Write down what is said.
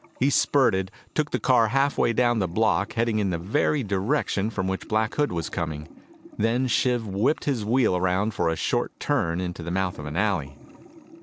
He spurted, took the car half way down the block, heading in the very direction from which Black Hood was coming. Then Shiv whipped his wheel around for a short turn into the mouth of an alley.